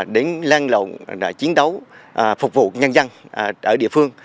đến lan lộn chiến đấu phục vụ nhân dân ở địa phương